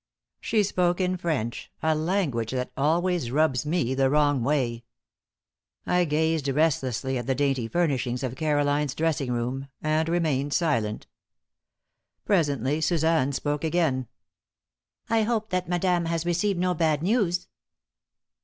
She spoke in French, a language that always rubs me the wrong way. I gazed restlessly at the dainty furnishings of Caroline's dressing room, and remained silent. Presently Suzanne spoke again. "I hope that madame has received no bad news."